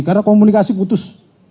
karena komunikasi putus